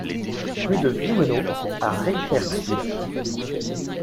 Rue de Wimmenau à Reipertswiller